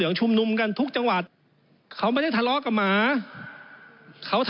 และจะมีการต่อรองตำแหน่งกันมากมาย